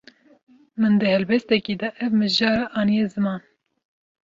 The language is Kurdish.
Min di helbestekî de ev mijara aniye ziman.